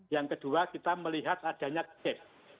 yang kedua kita melihat adanya cap